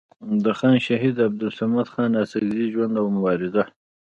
د خان شهید عبدالصمد خان اڅکزي ژوند او مبارزه